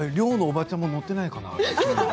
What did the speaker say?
寮のおばちゃんも乗っていないかな。